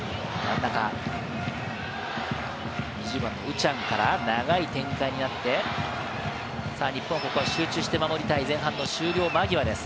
ウチャンから長い展開になって、日本、ここは集中して守りたい前半終了間際です。